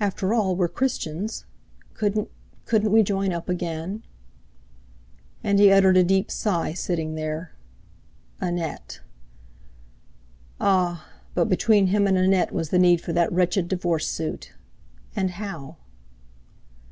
After all, we're Christians! Couldn't!—couldn't we join up again!" And he uttered a deep sigh sitting there. Annette! Ah! but between him and Annette was the need for that wretched divorce suit! And how?